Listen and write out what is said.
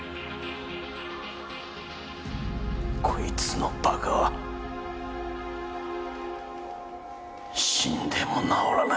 こいつの馬鹿は死んでも直らない。